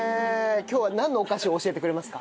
今日はなんのお菓子を教えてくれますか？